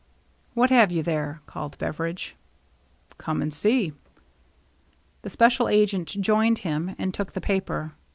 " What have you there ?" called Beveridge. " Come and see." The special agent joined him and took the paper.